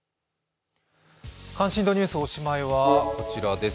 関心度ニュースおしまいはこちらです。